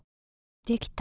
できた。